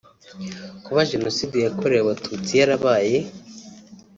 kuba Jenoside yakorewe Abatutsi yarabaye